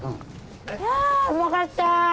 いやうまかった！